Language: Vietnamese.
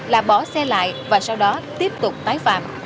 là bỏ xe lại và sau đó tiếp tục tái phạm